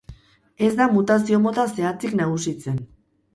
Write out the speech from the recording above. Ez da mutazio mota zehatzik nagusitzen.